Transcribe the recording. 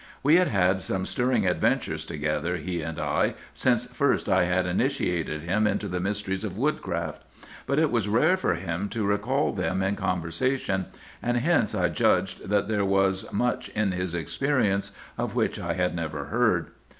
We had had some stirring adventures together, he and I, since first I had initiated him into the mysteries of woodcraft. But it was rare for him to recall them in conversation, and hence I judged that there was much in his experience of which I had never heard.